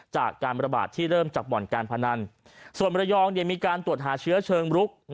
จากการระบาดที่เริ่มจากบ่อนการพนันส่วนมรยองมีการตรวจหาเชื้อเชิงรุก